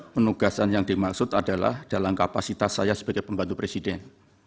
penugasan yang dimaksud adalah dalam kapasitas saya sebagai pembantu presiden